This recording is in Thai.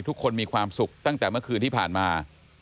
ทุกคนมีความสุขตั้งแต่เมื่อคืนที่ผ่านมา